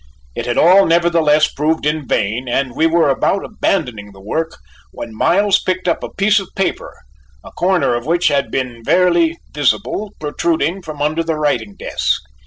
It had all, nevertheless, proved in vain, and we were about abandoning the work, when Miles picked up a piece of paper, a corner of which had been barely visible, protruding from under the writing desk.